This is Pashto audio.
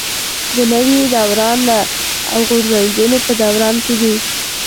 د نوي دوران او غورځنګونو په دوران کې دي.